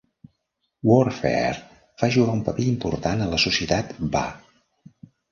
Warfare va jugar un paper important a la societat Ba.